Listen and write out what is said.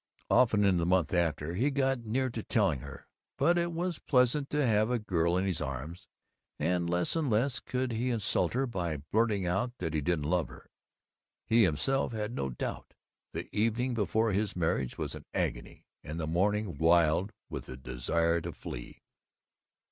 Often, in the month after, he got near to telling her, but it was pleasant to have a girl in his arms, and less and less could he insult her by blurting that he didn't love her. He himself had no doubt. The evening before his marriage was an agony, and the morning wild with the desire to flee.